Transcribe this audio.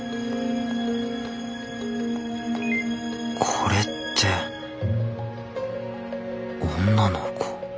これって女の子？